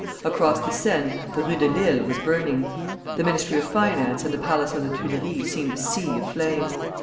Across the Seine, the Rue de Lille was burning. The Ministry of Finance and the palace of the Tuileries seemed a sea of flame.